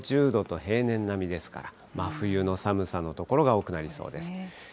大阪も１０度と、平年並みですから、真冬の寒さの所が多くなりそうです。